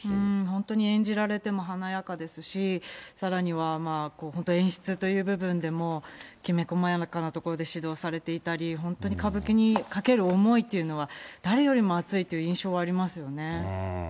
本当に演じられても華やかですし、さらには本当、演出という部分でも、きめ細やかなところで指導されていたり、本当に歌舞伎にかける思いというのは、誰よりも熱いという印象はありますよね。